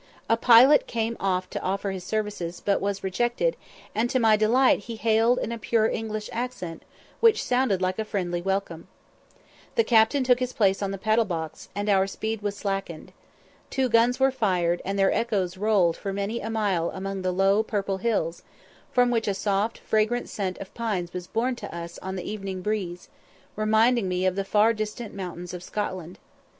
A pilot came off to offer his services, but was rejected, and to my delight he hailed in a pure English accent, which sounded like a friendly welcome. The captain took his place on the paddle box, and our speed was slackened. Two guns were fired, and their echoes rolled for many a mile among the low, purple hills, from which a soft, fragrant scent of pines was borne to us on the evening breeze, reminding me of the far distant mountains of Scotland.